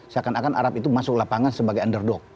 seakan akan arab itu masuk lapangan sebagai underdog